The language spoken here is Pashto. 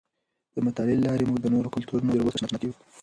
د مطالعې له لارې موږ د نورو کلتورونو او تجربو سره اشنا کېږو.